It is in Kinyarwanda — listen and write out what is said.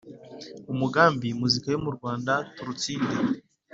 umugambiwa muzika yo mu rwanda turutsinde